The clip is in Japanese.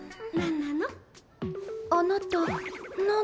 あなた何なの？